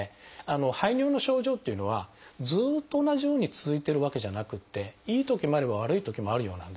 排尿の症状っていうのはずっと同じように続いてるわけじゃなくていいときもあれば悪いときもあるようなんですね。